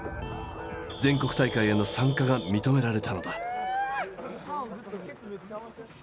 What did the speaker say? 全国大会への参加が認められたのだ。